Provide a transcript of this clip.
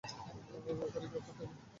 এখানে কেউ থাকে না?